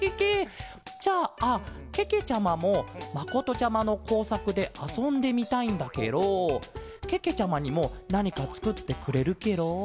じゃあけけちゃまもまことちゃまのこうさくであそんでみたいんだケロけけちゃまにもなにかつくってくれるケロ？